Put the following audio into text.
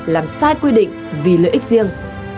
làm sai quy định vì lợi ích riêng